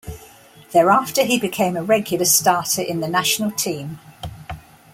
Thereafter he became a regular starter in the national team.